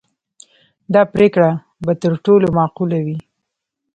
دا پرېکړه به تر ټولو معقوله وي.